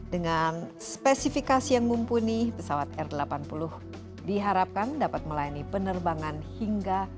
dengan spesifikasi yang mumpuni pesawat r delapan puluh diharapkan dapat melayani penerbangan hingga